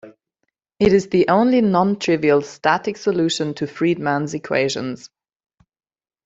It is the only non-trivial static solution to Friedmann's equations.